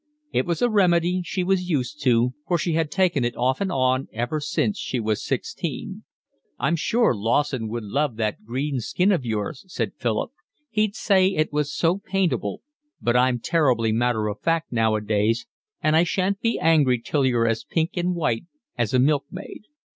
It was a remedy she was used to, for she had taken it off and on ever since she was sixteen. "I'm sure Lawson would love that green skin of yours," said Philip. "He'd say it was so paintable, but I'm terribly matter of fact nowadays, and I shan't be happy till you're as pink and white as a milkmaid."